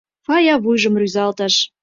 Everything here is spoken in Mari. — Фая вуйжым рӱзалтыш.